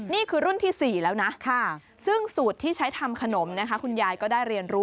นี่คือรุ่นที่๔แล้วนะซึ่งสูตรที่ใช้ทำขนมนะคะคุณยายก็ได้เรียนรู้